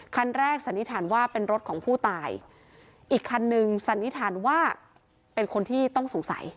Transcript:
คันแรกสันนิษฐานว่าเป็นรถของผู้ตายอีกคันนึงสันนิษฐานว่าเป็นคนที่ต้องสงสัย